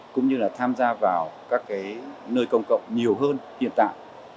cũng như là tham gia vào các nơi công cộng nhiều hơn hiện tại